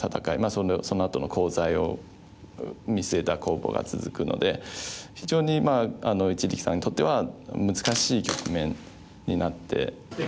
そのあとのコウ材を見据えた攻防が続くので非常に一力さんにとっては難しい局面になって。